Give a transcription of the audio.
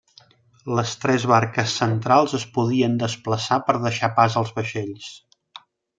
Les tres barques centrals es podien desplaçar per deixar pas als vaixells.